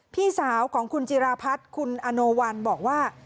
พี่สาวของคุณจิราพัฒน์คุณอโนวัลบอกว่า